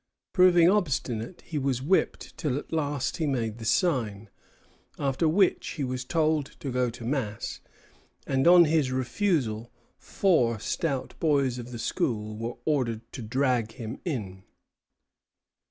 Proving obstinate, he was whipped till at last he made the sign; after which he was told to go to mass, and on his refusal, four stout boys of the school were ordered to drag him in.